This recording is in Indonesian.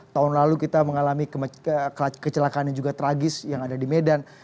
tahun lalu kita mengalami kecelakaan yang juga tragis yang ada di medan